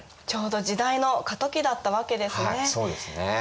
ちょうど時代の過渡期だったわけですね。